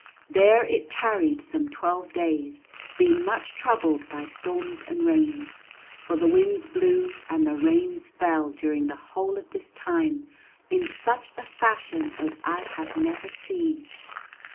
There it tarried some twelve days, being much troubled by storms and rains, for the winds blew and the rains fell during the whole of this time, in such a fashion as I have never seen.